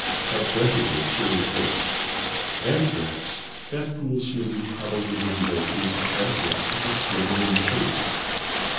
Hart grunted in a surly voice. "Anthrax! That fool Smithers probably wouldn't know a case of anthrax if it stared him in the face.